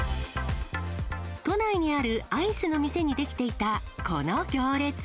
都内にあるアイスの店に出来ていた、この行列。